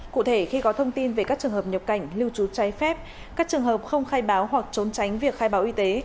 cụ thể khi có thông tin về các trường hợp nhập cảnh lưu trú trái phép các trường hợp không khai báo hoặc trốn tránh việc khai báo y tế